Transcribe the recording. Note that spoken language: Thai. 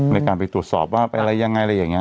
ในการไปตรวจสอบว่าไปอะไรยังไง